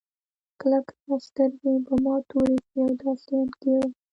کله کله سترګې په ما تورې شي او داسې انګېرم.